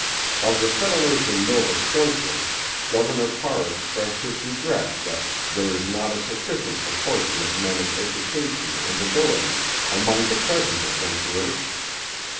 Of the settlers in Nova Scotia, Governor Parr expressed his regret 'that there is not a sufficient proportion of men of education and abilities among the present adventurers.'